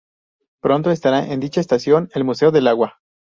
Pronto estará en dicha estación el Museo del Agua.